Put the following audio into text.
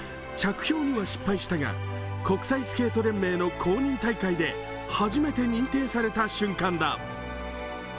着氷には失敗したが国際スケート連盟の公認大会で初めて認定された瞬間だ。